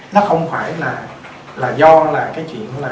nó không phải là do là cái chuyện